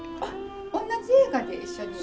おんなじ映画で一緒に？